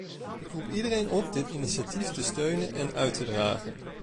Ik roep iedereen op dit initiatief te steunen en uit te dragen.